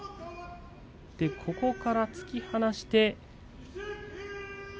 そこから突き放して。